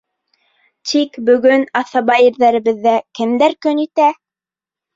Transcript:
Тик бөгөн аҫаба ерҙәребеҙҙә кемдәр көн итә?